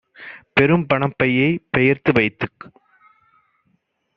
பெரும்பணப் பையைப் பெயர்த்து வைத்துக்